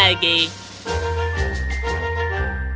kisah yang terakhir